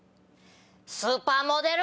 スーパーモデル！